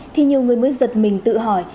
thì nhiều người mới giật mình tự hỏi